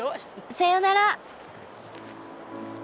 さよなら。